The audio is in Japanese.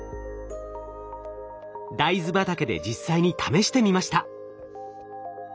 ダイズ畑で実際に試してみました。